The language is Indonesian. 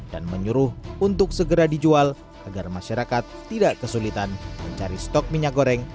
dan menyuruh untuk segera dijual agar masyarakat tidak kesulitan mencari stok minyak goreng